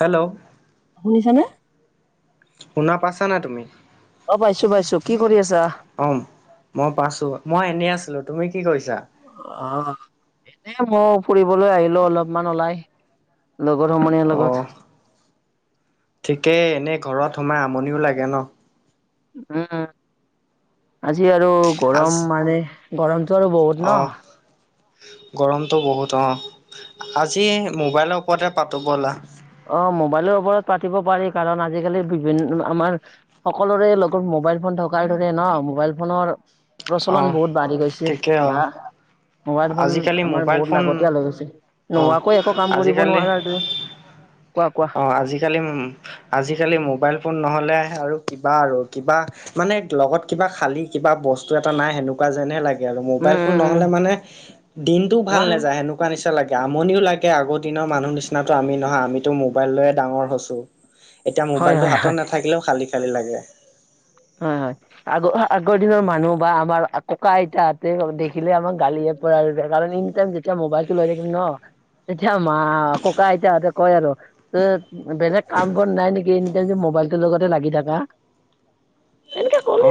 Hello শুনিছানে। শুনা পাইছা না তুমি? অ পাইছো পাইছো কি কৰি আছা? অম মই পাছো। মই এনেই আছিলো তুমি কি কৈছা? অ' এনে মই ফুৰিবলৈ আহিলো, অলপমান ওলাই লগ লগৰ সমনীয়াৰ অ লগত। ঠিকেই এনে ঘৰত সোমাই আমনিও লাগে ন। উম, আজি আৰু আজ গৰম মানে গৰম। টো আৰু বহুত ন। গৰমতটো বহুত অ' আজি মোবাইলৰ ওপৰতে পাতো বলা। অ' মোবাইলৰ ওপৰত পাতিব পাৰি কাৰণ আজিকালি বিভিন আমাৰ সকলোৰে লগত মোবাইল ফোন থকাৰ দৰে ন মোবাইল ফোনৰ অ প্ৰচলন বহুত বাঢ়ি গৈছে ঠিকে অ বা। মোবাইল ফোন আজিকালি আমাৰ মোবাইল বহুত ফোন লাগতিয়াল লৈ গৈছে, অ নোহোৱাকৈ একো কাম কৰিব আজিকালি নোৱাৰা তে। অ' আজিকালি উম আজিকালি মোবাইল ফোন নহ'লে। আৰু কিবা আৰু কিবা মানে লগত কিবা খালি কিবা বস্তু এটা নাই সেনেকুৱা যেনহে লাগে। মোবাইল উম ফোন উম উম নহ'লে মানে দিনটোও ভাল নাযায় হয় সেনেকুৱা নিচিনা। [unintelligible] লাগে আমনিও লাগে আগৰ দিনৰ মানুহ নিচিনাটো আমি নহয় আমিতো মোবাইল লয়ে ডাঙৰ হৈছো। এতিয়া মোবাইলটো হয় হয় হাতত নাথাকিলেও খালি খালি লাগে। হয়, হয়, আগ আগৰ দিনৰ মানুহ বা আমাৰ ককা আইতাহতে দেখিলে আমাৰ গালি [unintelligible] টাইম যেতিয়া মোবাইলটো লয় থাকিব ন। এতিয়া মা ককা আইটাহতে কয় আৰু বেলেগ কাম বন নাই নেকি এনে টাইম মোবাইল। মোবাইলটোৰ লগতে লাগি থকা। [unintelligible] এনেকে ক'লে অ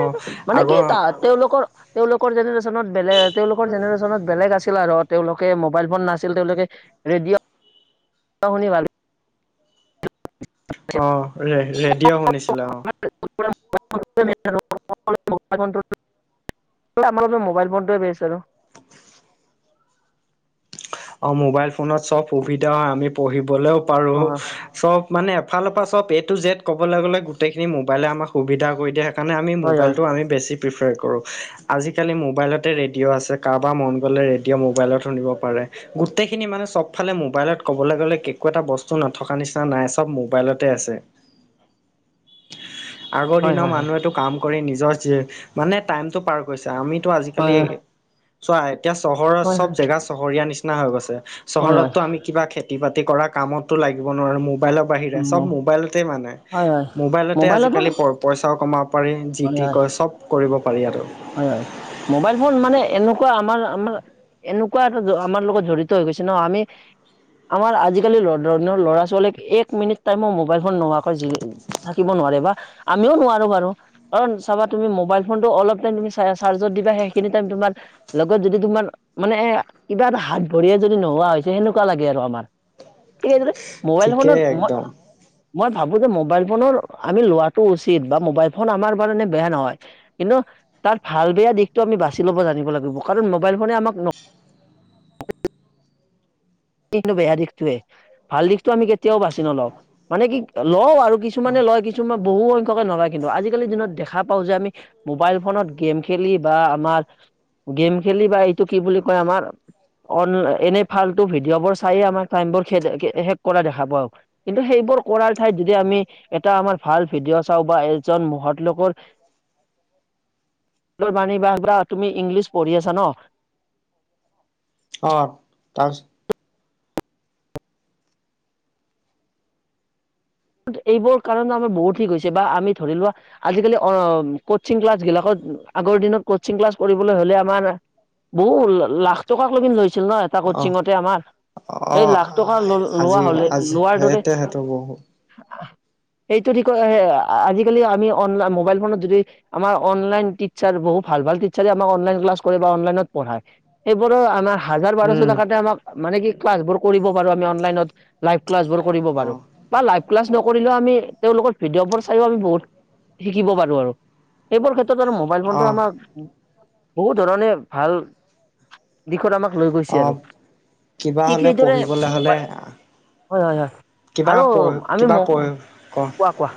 মানে কি আগৰ তাহাত তেওঁলোকৰ। তেওঁলোকৰ জেনেৰেশ্যনত বেলেগ তেওঁলোকৰ জেনেৰেশ্যনত বেলেগ আছিল আৰু তেওঁলোকে মোবাইল ফোন নাছিল তেওঁলোকে। ৰেডিঅ' [unintelligible] অ ৰে ৰেডিঅ' শুনিছিলে অ [unintelligible] আমাৰ ত মোবাইল ফোনটোৱে বেছ আৰু। অ' মোবাইল ফোনত চ'ব সুবিধা হয়, আমি পঢ়িবলৈও পাৰো অ চ'ব মানে। এফালৰ পৰা চ'ব এ টো জেদ ক'বলৈ গ'লে গোটেই মোবাইলে আমক সুবিধ কৰি দিয়ে। সেই কাৰণে আমি হয় হয় মোবাইলটো আম বেছি। প্ৰিফাৰ কৰোঁ, আজিকালি মোবাইলতে ৰেডিঅ' আছে কাৰোবাৰ মন গ'লে ৰেডিঅ' মোবাইলত শুনিব পাৰে। গোটেইখিনি মানুহ চব ফালে মোবাইলত ক'বলৈ গ'লে একো এটা বস্তু নথকা নিচিনা নাই চব মোবাইলতে আছে [inaudible] আগৰ হয় দিনৰ হয় হয় মানুহটো কাম কৰি নিজৰ যি মানে টাইম টো পাৰ কৰিছে। আমিতো আজিকালি, হয় চোৱা এতিয়া চহৰৰ হয় চব জেগা চহৰীয়া নিচিনা হৈ গৈছে। হয় হয় চহৰতটো আমি কিবা খেতি বাতি কৰা কামতো লাগিব নোৱাৰো মো মোবাইলৰ বাহিৰে অ সব মোবাইলতে মানে হয় হয় মোবাইলতে মোবাইলত আৰু আজিকালি প পইচাও কমাব পাৰি হয় জিতি কি হয় কয় সব কৰিব পাৰি আৰু হয় হয় মোবাইল ফোন মানে এনেকুৱা আমাৰ আমাৰ এনেকুৱা এটা আমাৰ লগত জড়িত হৈ হৈছে ন আমি আমাৰ আজিকালি [unintelligible] ল'ৰা ছোৱালীক এক মিনিট টাইমো মোবাইল ফোন নোহোৱাকৈ থাকিব নোৱা নোৱাৰে বা আমিওঁ নোৱাৰো বাৰু, কাৰণ চাবা তুমি মোবাইল ফোনটো অলপ [unintelligible] সেই তমাৰ লগত যদি তমাৰ মানে কিবা এটা হাত ভৰিএ যদি নোৱাৱা হৈছে সেমেকুৱা লাগে আৰু আমাৰ। এতিয়া তোমাৰ মোবাইল ফোনট ঠিকেই [unintelligible] একদম মই ভাবো যে মোবাইল ফোনৰ আমি লোৱাটো উচিত বা মোবাইল ফোন আমাৰ কাৰণে বেয়া নহয়, কিন্তু তাৰ ভাল বেয়া দিশটো আমি বাচি ল'ব জানিব লাগিব, কাৰণ মোবাইল ফোনে আমাক ন কিন্তু বেয়া দিশটোয়ে ভাল দিশটো আমি কেতিয়াওঁ বাছি নলওঁ। মানে কি লওঁ আৰু আৰু কিছুমানে লয় কিছুমান বহু সংখ্য [unintelligible] নলয় কিন্তু আজিকালি দিনত দেখা পাওঁ যে আমি মোবাইল ফোনত গেম খেলি বা আমাৰ গেম খেলি বা এইটো কি বুলি কয় আমাৰ অন এনে ফাল ভি ডিয় বোৰ চায়ে আমাক টাইমবোৰ শেষ কৰা দেখা পাওঁ, কিন্তু সেইবোৰ কৰাৰ ঠাইত যদি আমি এট এটা আমাৰ ভাল ভিডিঅ' চাওঁ বা এজন মহত লোকৰ [unintelligible] বাণী বা বা তুমি ইংলিছ পঢ়ি আছা ন? অ', তাৰ পিছত এইবোৰ কাৰণ আমাৰ বহুত ঠিক হৈছে বা আমি ধৰি লোৱা আজিকালি কচিং ক্লাছ বিলাকত আগৰ দিনত কচিং ক্লাছ কৰিবলৈ হলে, আমাৰ বহু লাখ টকাক লৈকেই লৈ ছিল ন এটা অ কোচিঙতে আমাৰ। অ এই লাখ টকা ল লোৱা আজি হ'লে আজি লোৱাৰ দৰে সেইতে সেইটো বহু সেইটো [unintelligible] আজিকালি আমি অনলাই মোবাইল ফোনত যদি আমাৰ অনলাইন টিচাৰ বহু ভাল ভাল টিচাৰে আমাক অনলাইন ক্লাছ কৰে বা অনলাইনত পঢ়ায়, সেইবোৰো আমাৰ হাজাৰ বাৰশ উম টকাতে আমাক মানে কি ক্লাছবোৰ কৰিব পাৰো আমি অনলাইনত। লাইভ ক্লাছ বোৰ কৰিব অ পাৰো বা লাইভ ক্লাছ নকৰিলেও আমি তেওঁলোকৰ ভিডিঅ'বোৰ চাইও আমি বহুত শিকিব পাৰো আৰু। সেইবোৰ ক্ষেত্ৰ আৰু মোবাইল ফোনটো অ আমাৰ বহুত ধৰণে ভাল দিশত আমাক লৈ অ গৈছে আৰু। কিবা ঠিক হ'লে সেইদৰে, পঢ়িবলৈ হ'লে হয় হয় হয়। কিবা আৰু পঢ় আমি কিবা ম, পঢ় ক কোৱা কোৱা।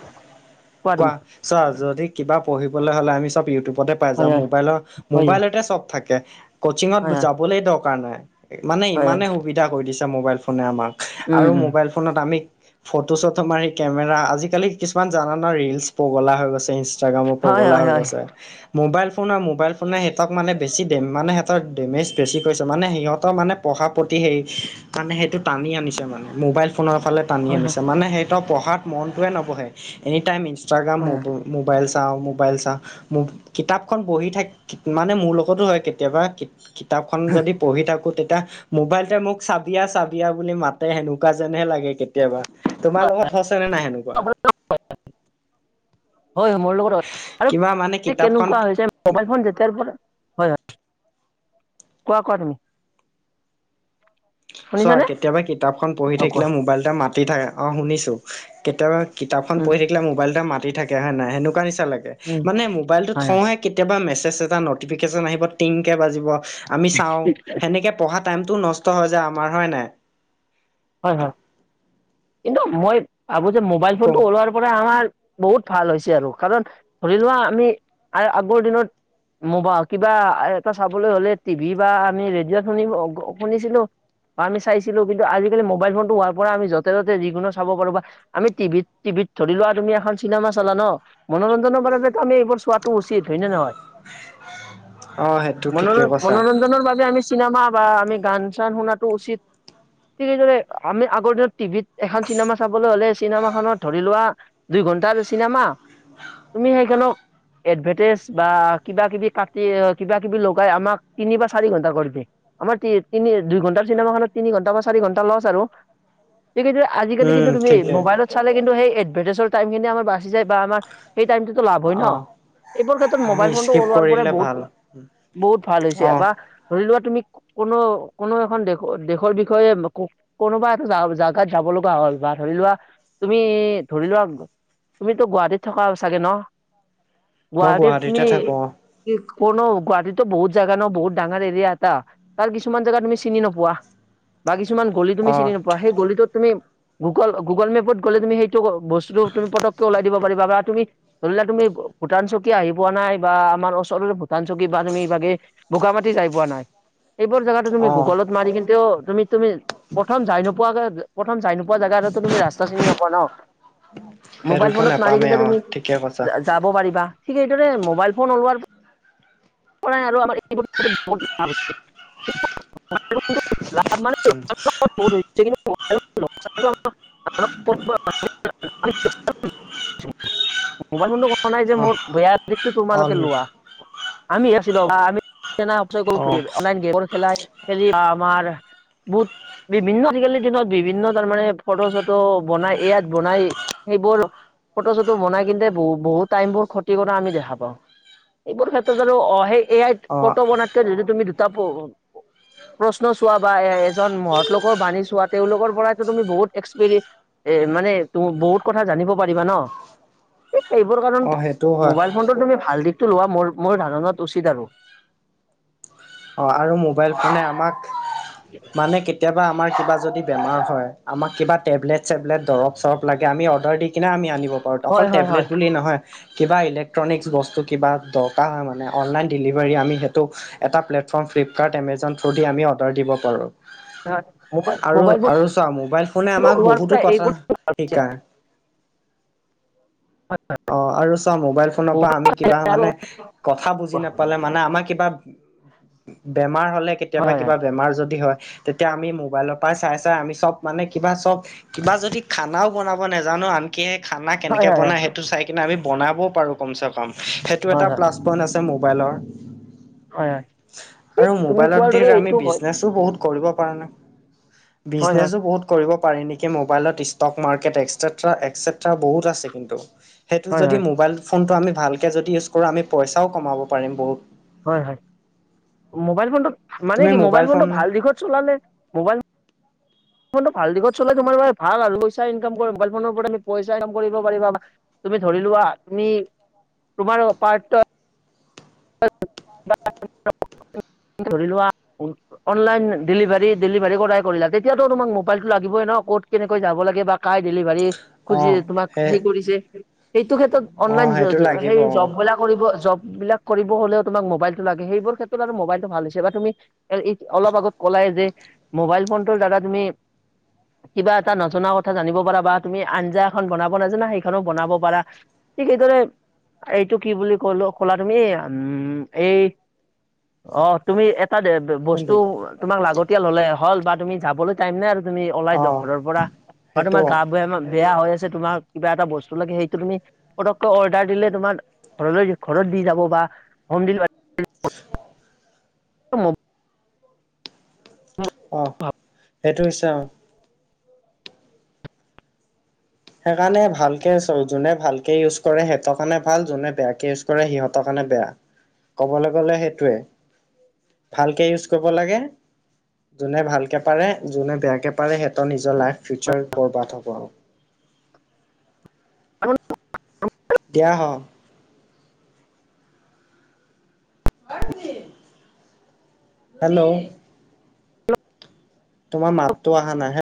কোৱা? চোৱা, যদি কিবা পঢ়িবলে হ'লে আমি চব ইউটিউব তে পাই যাওঁ, হয় হয় মোবাইলৰ হয় মোবাইলতে চব থাকে। কচিঙত হয় হয় যাবলেই দৰকাৰ নাই, মানে হয় ইমানেই হয় সুবিধা কৰি দিছে মোবাইল ফোনে আমাক। উম আৰু উম মোবাইল ফোনত আমি ফটো চটো মাৰি কেমেৰা, আজিকালি কিছুমান জানা ৰীলছ পগলা হৈ গৈছে, ইনষ্ট্ৰাগ্ৰাম হয় পগলা হয় হৈ হয় গৈছে। মোবাইল মোবাইল ফোনে সেহতক মানে বেছি দেম মানে সেহতৰ দেমেছ বেছি পাইছে মানে সিহঁতৰ পঢ়াৰ প্ৰতি কাৰণে সেইটো টানি আনিছে মানে, মোবাইল ফোনৰ ফালে টানি হয় আনিছে, মানে সেইটো পঢ়াত মনটোৱেই নবঢ়ে, এনি টাইম ই ইনষ্ট্ৰাগ্ৰাম হয় মোবাইল চাও, মোবাইল চাওঁ, কিতাপখন পঢ়ি থাক মানে মোৰ লগতো হয় কেতিয়াবা কিতাপখন যদি পঢ়ি থাকো তেতিয়া মোবাইলটোৱে মোক চাবি আহ চাবি আহ বুলি মাতে সেনেকুৱা যেনহে লাগে কেতিয়াবা। তোমাৰ লগত হৈছেনে নাই সেনেকুৱা? হয়, হয়। মোৰ লগতো [unintelligible] আৰু কিবা মানে কিতাপখন কেনেকুৱা হৈছে মোবাইল ফোন যেতিয়াৰ পৰা হয়, হয়। কোৱা কোৱা তুমি? চোৱা, শুনিছানে কেতিয়াবা কিতাপখন পঢ়ি অ কোৱা থাকিলে মোবাইলটোৱে মাতি থাকে, অহ, শুনিছোঁ। কেতিয়াবা কিতাপখন উম পঢ়ি থাকিলে মোবাইলটোৱে মাতি থাকে হয়নে নাই? সেনেকুৱা নি নিচিনা লাগে। উম মানে মোবাইলটো হয় হয় থওঁহে কেতিয়াবা মেচজ এটা নটিফিকেচন আহিব, টিং কে বাজিব। আমি চাওঁ সেনেকে পঢ়া টাইমতটো নষ্ট হৈ যায় আমাৰ। হয় নে নাই? হয়, হয়। কিন্তু মই ভাবোঁ যে মোবাইল ক ফোনটো ওলোৱাৰ পৰা আমাৰ বহুত ভাল হৈছে আৰু, কাৰণ ধৰি লোৱা আমি আগৰ দিনত মোবাইল কিবা এটা চাবলৈ হ'লে টিভি বা আমি ৰেডিঅ'ত শুনি-শুনিছিলোঁ। আমি চাইছিলোঁ কিন্তু আজি মোবাইল ফোনটো হোৱাৰ পৰা আমি যতে ততে যিকোনো চাব পাৰোঁ বা আমি টিভিত টিভিত ধৰি লোৱা তুমি এখন চিনেমা চালা ন, মনোৰঞ্জনৰ বাবে আমি এইবোৰ চোৱাটো উচিত। হয় নে নহয়? [unintelligible] অ সেইটো মনো ঠিকে কৈছা মনোৰঞ্জনৰ বাবে আমি চিনেমা চিনেমা বা আমি গান চান শুনাটো উচিত, ঠিক সেইদৰে আমি আগৰ দিনত টিভিত এখন চিনেমা চাবলৈ হ'লে, চিনেমাখনত ধৰি লোৱা দুই ঘন্টাৰ চিনেমা। তুমি সেইখানক এডভাৰটাইজ বা কিবা-কিবি কাটি, কিবা কিবি লগাই আমাক তিনি বা চাৰি ঘন্টা কৰি দিয়ে। আমাৰ তি তিনি দুই ঘণ্টাৰ চিনেমাখনত তিনি ঘন্টা বা চা চাৰি ঘণ্টা লছ আৰু। সেই আজিকালি উম কিন্তু তুমি ঠিকে মবাইলত চালে কিন্তু সেই এডভাৰটাইজৰ টাইমখিনি আমাৰ বাছি যায় বা আমাৰ সেই টাইমটোতো লাভ হয় ন, অ এইবোৰ ক্ষেত্ৰত আমি মোবাইল ফোনটো স্কিপ ওলোৱাৰ পৰাই কৰিলে বহুত ভাল বহুত ভাল হৈছে অ বা ধৰি লোৱা তুমি কোনো, কোনো এখন দেশৰ দেশৰ বি বিষয়ে কোনোবা এটা জাগাত যাব লগা হ'ল বা ধৰি লোৱা তুমি ধৰি লোৱা তুমিতো গুৱাহাটীত থকা চাগে ন, মই গুৱাহাটীত তুমি গুৱাহাটীতে থাকো কোনো গুৱাহাটীতো বহুত জেগা ন বহুত ডাঙৰ এৰিয়া এটা, তাৰ কিছুমান জেগা তুমি চিনি নোপোৱা। বা কিছুমান গলি তুমি অ অ চিনি নোাপোৱা। সেই গলিটোত তুমি গুগল গুগল মেপত গ'লে তুমি সেই বস্তু তুমি পতকেয় ওলাই দিব পাৰিবা বা তুমি ধৰিলোৱা তুমি ভূটান চকী আহি পোৱা নাই বা আমাৰ ওচৰৰে ভূটান চকী বা তুমি বাগে বগা মাটি যায় পোৱা নাই। এইবোৰ জেগাটো তুমি অ গুগলত মাৰি কিন্তু তুমি-তুমি প্ৰথম যায় নোপোৱাকে প্ৰথম যায় নোপোৱা পোৱা জোগা এটা তুমি, ৰাস্তা চিনি নাপোৱা ন। মোবাইল সেইটোতো ফোনত মাৰি নাপামেই কিনে অ তুমি, ঠিকে কৈছা যাব পাৰিবা। ঠিক এইটোৰে মোবাইল ফোন ওলোৱাৰ পৰাই আৰু আমাৰ এইবোৰ ক্ষেত্ৰত বহুত‌ লাভ হৈছে। কিন্তু মোবাইল ফোনতো [unintelligible] উম। [unintelligible] কিন্তু পঢ়াৰ লোকচানতো আমাৰ [unintelligible] [unintelligible] মোবাইল ফোনটো কোৱা নাই যে অ মোৰ বেয়াৰ দিশটো তোমালোকে লোৱা, অ আমি [unintelligible] আমি অ [unintelligible] অনলাইন গেম খেলাই খেলি আমাৰ বহুত বিভিন্ন আজিকালিৰ দিনত, বিভিন্ন তাৰমানে ফটো-চটো বনাই এ আইত বনাই সেইবোৰ ফটো-চটো বনাই কিন্তে বহু-বহুত টাইমবোৰ ক্ষতি কৰা আমি দেখা পাওঁ। এইবোৰ ক্ষেত্ৰত জানোঁ অহে এ আইত ফটো অ বনাতকে যদি তুমি দুটা প্ৰশ্ন চোৱা। বা এজন মহতলোকৰ বানী চোৱা তেওঁলোকৰ পৰাতো তুমি বহুত এক্সেপেৰি এ মানে ত বহুত কথা জানিব পাৰিবা ন, এ এইবোৰ অ সেইটোও কাৰণত হয় মোবাইল ফোনটোত তুমি ভাল ত' লোৱা মোৰ ধাৰণাত উচিত আৰু। অহ, আৰু মোবাইল ফোনে আমাক, মানে কেতিয়াবা আমাৰ কিবা যদি বেমাৰ হয়, আমাক কিবা টেবলেট-চেবলেব দৰব-চৰব লাগে অৰ্দাৰ দি দি কিনে আমি আনিব পাৰোঁ, অকল হয় হয় টেবলেট হয় বুলি নহয়। কিবা ইলেক্ট্ৰনিক্স বস্তু কিবা দৰকাৰ হয় মানে, অনলাইন ডেলিভাৰী আমি সেইটো এটা প্লেট প্ৰথম ফ্লিপকাৰ্ট, এমেজন থ্ৰু দি আমি অৰ্ডাৰ দিব পাৰোঁ। হয় মোবাইল আৰু মোবাইল আৰু চোৱা মোবাইল ফোনে ফোনটো আমাক ওলোৱাৰ পৰা বহুতো কথা এইবোৰ শিকায়। [inaudible] [inaudible] অ আৰু চা মোবাইল ফোনৰ পৰা বহুতো আমি কিবা আৰু মানে, কথা বুজি নাপালে মানে আমাৰ কিবা বেমাৰ হ'লে কেতিয়াবা হয় হয় কিবা বেমাৰ যদি হয়। তেতিয়া আমি মোবাইলৰ পৰাই চাই চাই আমি চব মানে, কিবা চব, কিবা যদি খানাও বনাব নোজানো আনকি খানা কেনেকে হয় হয় হয় বনাই সেইটো চাই কিনে আমি বনাব পাৰো কম চে কম সেইটো এটা হয় হয় প্লাছ পইন্ট আছে মোবাইলৰ। হয় হয়। ঠিক আৰু তুমি মোবাইলত কোৱাৰ দি দৰে আমি এইটো হয় বিজনেচো বহুত কৰিব পাৰা নে। হয় হয় বিজনেছো বহুত কৰিব পাৰি নেকি। মোবাইলত ইষ্টক মাৰ্কেট একছেত্ৰা একছেত্ৰা বহুত আছে কিন্তু। সেইটো হয় যদি হয় মোবাইল ফোনটো আমি ভালকে যদি ইউজ কৰোঁ, আমি পইচাও কমাব পাৰিম বহুত। হয় হয়। মোবাইল ফোনটো, মানে তুমি কি, মোবাইল ফোন ফোনটো ভাল দিশত চলালে, মোবাইল ফোনটো ভাল দিশত চললে তোমাৰ ভাল আৰু। পইচা ইনকাম মোবাইল ফোনৰপৰা তুমি পইচা ইনকাম কৰিব পাৰিবা। তুমি ধৰি লোৱা, তুমি তোমাৰ পাৰ [unintelligible] ধৰি লোৱা অনলাইন ডেলিভাৰী-ডেলিভাৰী কৰাই কৰিলা, তেতিয়াতো তোমাক মোবাইলটো লাগিবই ন। ক'ত কেনেকৈ যাব লাগে বা কায় ডেলিভাৰী। অ খুজি তোমাক সেই কৰিছে, সেইতো ক্ষেত্ৰত অ অনলন সেইটো লাগিব অ জবলা কৰিব জব বিলাক কৰিব হ'লেও তোমাক মোবাইলতটো লাগে, সেইবোৰ ক্ষেত্ৰত আৰু মোবাইলটো ভাল হৈছে বা তুমি এ অলপ আগত কলাই যে মোবাইল ফোনটোৰ দ্বাৰা তুমি কিবা এটা নজনা কথা জানিব পাৰা বা তুমি আঞ্জা এখন বনাব নাজানা সেইখনো বনাব পাৰা। ঠিক সেইইদৰে এইটো কি বুলি কলো কলা তুমি উম এই অ তুমি এটা বস্তু কোনটো তোমাক লাগত তেতিয় হ'লে হ'ল বা তুমি যাবলৈ টাইম নাই আৰু তুমি ওলাই অ দক ঘৰৰ পৰা বা সেইটো তোমাৰ গা বেয়া বেয়া হৈ আছে তোমাৰ কিবা এটা বস্তু লাগে, সেইটো তুমি পতকৈ অৰ্ডাৰ দিলে তোমাৰ ঘৰলৈ ঘৰত দি যাব বা হোম ডেলিভাৰী [unintelligible] [inaudible] আহ সেইটো হৈছে অ। সেই কাৰণে ভালকে, যোনে ভাল কে ইউজ কৰে সিহঁতৰ কাৰণে ভাল, যোনে বেয়াকে ইউজ কৰে সিহঁতৰ কাৰণে বেয়া। কবলৈ গ'লে সেইটোৱে ভাল কে ইউছ কৰিব লাগে যোনে ভালকে পাৰে, যোনে বেয়াকে পাৰে সিহঁতৰ নিজৰ লাইফ, ফিউচাৰ বৰ্বাদ হ'ব। [unintelligible] দিয়া হ। [unintelligible] হেল্ল'। তোমাৰ মাততো অহা নাই। হে